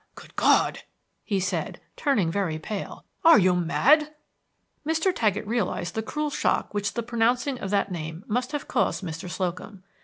"Good God!" he said, turning very pale. "Are you mad?" Mr. Taggett realized the cruel shock which the pronouncing of that name must have caused Mr. Slocum.